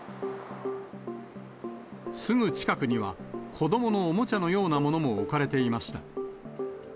すぐ近くには、子どものおもちゃのようなものも置かれていました。